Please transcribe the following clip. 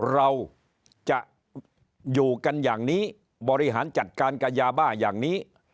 เราจะอยู่กันอย่างนี้บริหารจัดการกับยาบ้าอย่างนี้